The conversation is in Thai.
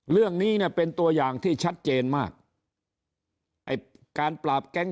เรื่องนี้เนี่ยเป็นตัวอย่างที่ชัดเจนมากไอ้การปราบแก๊ง